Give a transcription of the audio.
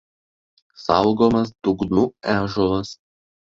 Saugomas Dugnų ąžuolas.